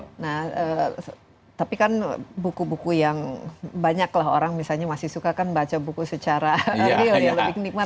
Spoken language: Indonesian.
nah tapi kan buku buku yang banyaklah orang misalnya masih suka kan baca buku secara real ya lebih nikmat